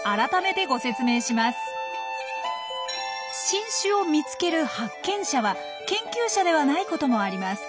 新種を見つける発見者は研究者ではないこともあります。